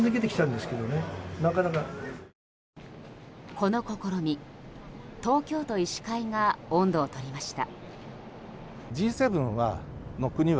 この試み、東京都医師会が音頭を取りました。